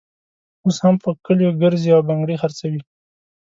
اوس هم په کلیو ګرزي او بنګړي خرڅوي.